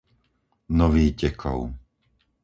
Nový Tekov